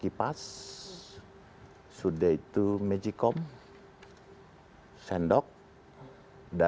sampai saat anggaran saya masuk ke kota sejarah indonesia